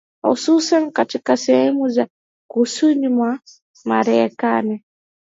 Hususani katika sehemu za kusini mwa marekani